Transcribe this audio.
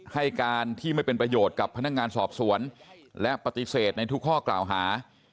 ให้การที่ไม่เป็นประโยชน์กับพนักงานสอบสวนและปฏิเสธในทุกข้อกล่าวหา